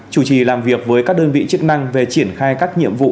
chủ trì làm việc với các đơn vị chức năng về triển khai các nhiệm vụ